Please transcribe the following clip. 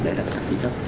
đấy là đợt trĩ cấp